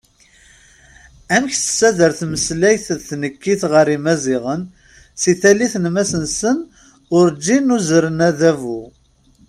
Amek tessader tmeslayt d tnekkit ɣas Imaziɣen, si tallit n Masnsen, urǧin uzren adabu!